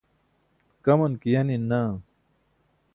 kaman ke yanin naa.